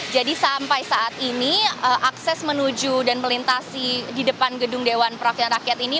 jadi sampai saat ini akses menuju dan melintasi di depan gedung dewan perwakilan rakyat ini